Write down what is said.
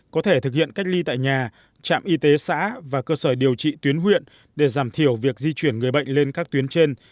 có thể thực hiện cách ly tại nhà trạm y tế xã và cơ sở điều trị tuyến huyện để giảm thiểu việc di chuyển người bệnh lên các tuyến trên